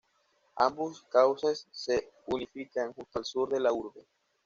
Ambos cauces se unifican justo al sur de la urbe.